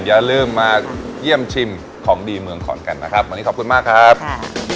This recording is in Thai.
อย่าลืมมาเยี่ยมชิมของดีเมืองขอนแก่นนะครับวันนี้ขอบคุณมากครับค่ะ